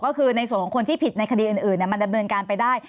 ก็คือในส่วนของคนที่ผิดในคดีอื่นมันดำเนินการไปได้